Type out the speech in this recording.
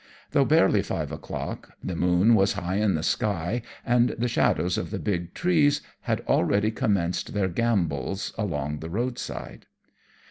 Though barely five o'clock, the moon was high in the sky, and the shadows of the big trees had already commenced their gambols along the roadside.